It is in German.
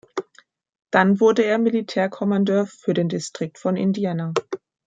Dann wurde er Militärkommandeur für den Distrikt von Indiana.